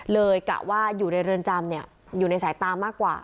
กะว่าอยู่ในเรือนจำอยู่ในสายตามากกว่า